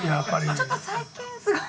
ちょっと最近すごい。